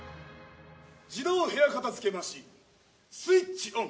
自動部屋片付けマシンスイッチオン。